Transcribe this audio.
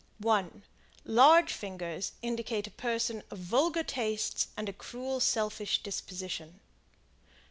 1 Large fingers indicate a person of vulgar tastes and a cruel, selfish disposition.